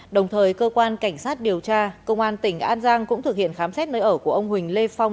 đồng thời cơ quan cảnh sát điều tra công an tỉnh an giang cũng thực hiện khám xét nơi ở của ông huỳnh lê phong